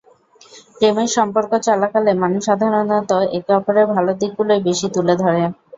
প্রেমের সম্পর্ক চলাকালে মানুষ সাধারণত একে অপরের ভালো দিকগুলোই বেশি তুলে ধরে।